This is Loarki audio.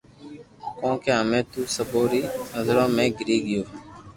ڪونڪھ ھمي تو سبو ري نظرو ۾ گيري گيو